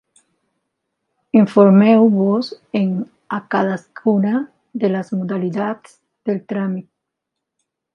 Informeu-vos-en a cadascuna de les modalitats del tràmit.